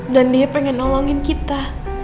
dan dia pengen nolongin kita